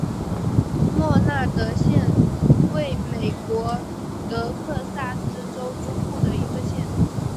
默纳德县位美国德克萨斯州中部的一个县。